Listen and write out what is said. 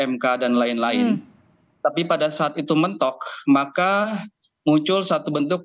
mk dan lain lain tapi pada saat itu mentok maka muncul satu bentuk